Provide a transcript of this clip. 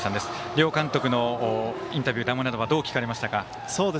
両監督のインタビュー談話などはどう聞かれましたか？